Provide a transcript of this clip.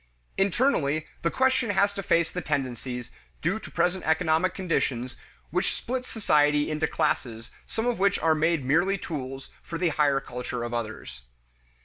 Internally, the question has to face the tendencies, due to present economic conditions, which split society into classes some of which are made merely tools for the higher culture of others.